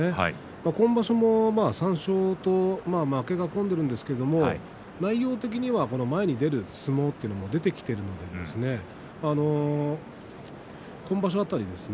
今場所も３勝と負けが込んでいますが内容的には前に出る相撲が出てきていますので今場所辺りですね